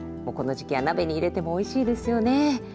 もうこの時期は鍋に入れてもおいしいですよね。